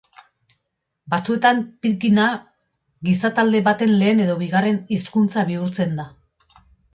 Batzuetan pidgina gizatalde baten lehen edo bigarren hizkuntza bihurtzen da.